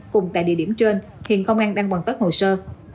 cùng tại địa điểm trên hiện công an đang hoàn tất hồ sơ